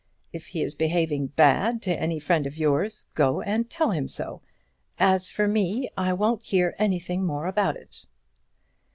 If he is behaving bad to any friend of yours, go and tell him so. As for me, I won't hear anything more about it."